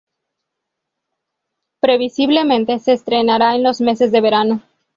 Previsiblemente, se estrenará en los meses de verano.